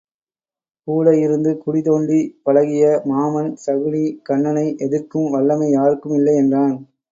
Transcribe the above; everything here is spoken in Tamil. கூட இருந்து குழி தோண்டிப் பழகிய மாமன் சகுனி கண்ணனை எதிர்க்கும் வல்லமை யாருக்கும் இல்லை என்றான்.